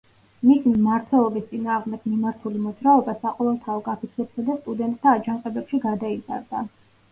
მისი მმართველობის წინააღმდეგ მიმართული მოძრაობა საყოველთაო გაფიცვებსა და სტუდენტთა აჯანყებებში გადაიზარდა.